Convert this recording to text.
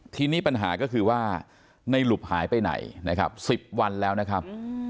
ทีนี้ปัญหาก็คือว่าในหลุบหายไปไหนนะครับ๑๐วันแล้วนะครับ